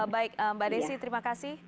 baik mbak desi terima kasih